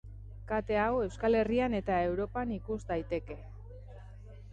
Kate hau Euskal Herrian eta Europan ikus daiteke.